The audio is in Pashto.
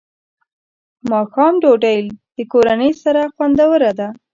ماښام ډوډۍ د کورنۍ سره خوندوره ده.